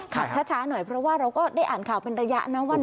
ช้าหน่อยเพราะว่าเราก็ได้อ่านข่าวเป็นระยะนะว่า